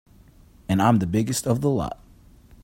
And I'm the biggest of the lot.